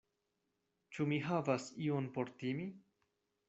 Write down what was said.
Ĉu mi havas ion por timi?